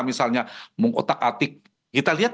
misalnya mengotak atik kita lihat